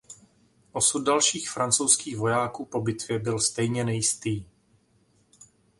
Osud dalších francouzských vojáků po bitvě byl stejně nejistý.